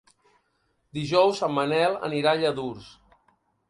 Dijous en Manel anirà a Lladurs.